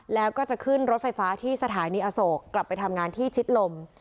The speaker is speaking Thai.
แล้วก็จะขึ้นรถไฟฟ้าที่สถานีอโศกกลับไปทำงานที่ชิดลม